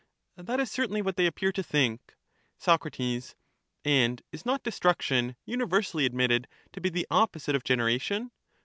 That is certainly what they appear to think. 55 Soc. And is not destruction universally admitted to be the opposite of generation